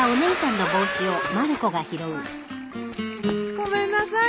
ごめんなさい。